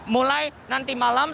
mulai nanti malam